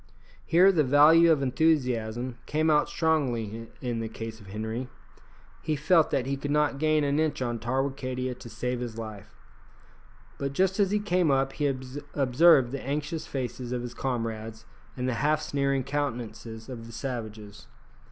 Here the value of enthusiasm came out strongly in the case of Henri. He felt that he could not gain an inch on Tarwicadia to save his life, but just as he came up he observed the anxious faces of his comrades and the half sneering countenances of the savages.